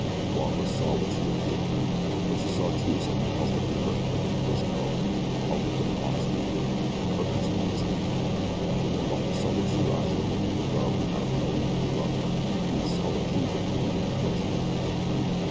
Barbara saw what she had feared, but she saw too something else that gave her a quick, pulsing hope a look of honest love, or could she be mistaken? And the mucker saw the true eyes of the woman he loved without knowing that he loved her, and he saw the plea for pity and protection in them.